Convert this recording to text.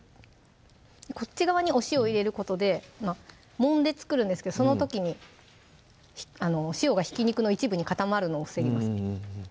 こっち側にお塩入れることでもんで作るんですけどその時に塩がひき肉の一部に固まるのを防ぎます